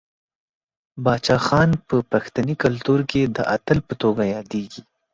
باچا خان په پښتني کلتور کې د اتل په توګه یادیږي.